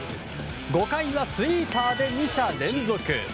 ５回はスイーパーで２者連続。